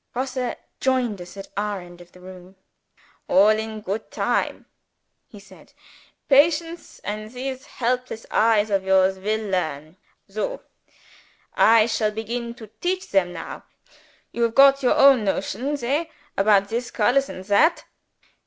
_" Grosse joined us at our end of the room. "All in goot time," he said. "Patience and these helpless eyes of yours will learn. Soh! I shall begin to teach them now. You have got your own notions hey? about this colors and that?